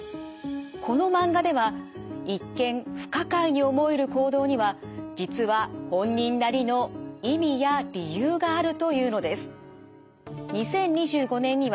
このマンガでは一見不可解に思える行動には実は本人なりの意味や理由があるというのです。